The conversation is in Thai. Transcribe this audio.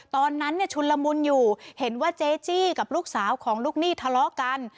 ตอนนั้นเนี่ยชุนละมุนอยู่เห็นว่าเจจี้กับลูกสาวของลูกหนี้ทะเลาะกัน